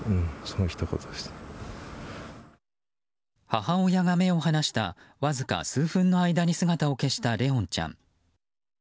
母親が目を離したわずか数分の間に姿を消した怜音ちゃん。